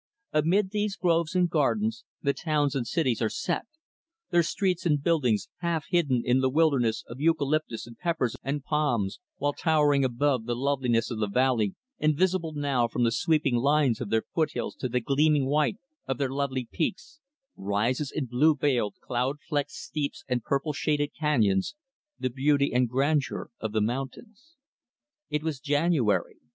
Amid these groves and gardens, the towns and cities are set; their streets and buildings half hidden in wildernesses of eucalyptus and peppers and palms; while towering above the loveliness of the valley and visible now from the sweeping lines of their foothills to the gleaming white of their lonely peaks rises, in blue veiled, cloud flecked steeps and purple shaded canyons, the beauty and grandeur of the mountains. It was January.